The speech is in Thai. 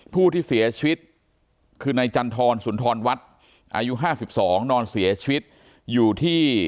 ผู้ที่เสียชีวิตคือในจันทรรศูนย์ธรรมวัฒน์อายุ๕๒นอนเสียชีวิต